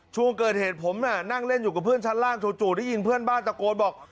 ช่วงเกิดเหตุผมน่ะนั่งเล่นอยู่กับเพื่อนชั้นล่างจู่ได้ยินเพื่อนบ้านตะโกนบอก